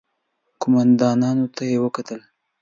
قوماندانانو ته يې وکتل.